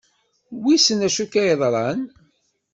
Wissen acu akka yeḍran.